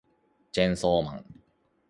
チェーンソーマン